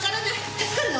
助かるの？